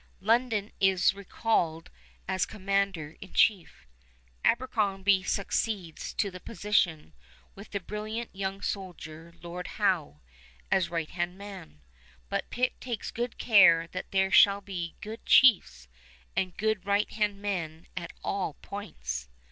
London is recalled as commander in chief. Abercrombie succeeds to the position, with the brilliant young soldier, Lord Howe, as right hand man; but Pitt takes good care that there shall be good chiefs and good right hand men at all points.